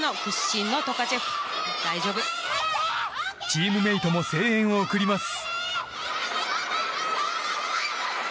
チームメートも声援を送ります。